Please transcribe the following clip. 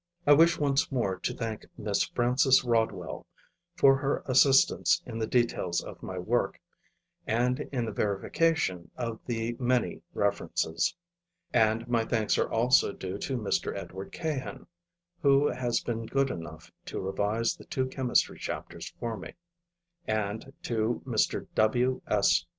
I wish once more to thank Miss Frances Rodwell for her assistance in the details of my work and in the verification of the many references; and my thanks are also due to Mr. Edward Cahen, who has been good enough to revise the two chemistry chapters for me, and to Mr. W. S.